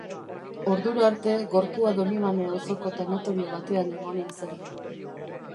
Ordura arte, gorpua Donibane auzoko tanatorio batean egonen zen.